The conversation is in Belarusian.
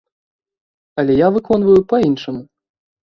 Але я выконваю па-іншаму.